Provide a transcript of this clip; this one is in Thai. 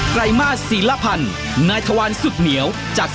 กลายมาสศีลพันธ์นายทวารสุดเหนียว